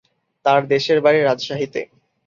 তার দেশের বাড়ি রাজশাহীতে।